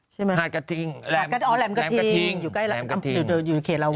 ใช่ไหมครับอ๋อแหลมกระทิงอยู่ใกล้ลาวัย